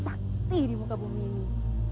sakti di muka bumi ini